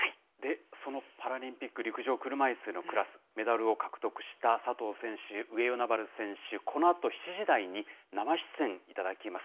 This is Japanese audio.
そのパラリンピック陸上車いすのクラス、メダルを獲得した佐藤選手、上与那原選手、このあと７時台に生出演いただきます。